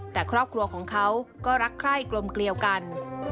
แต่ครอบครัวของเขาก็รักใคร่กลมเกลียวกัน